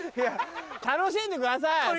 楽しんでください少しは。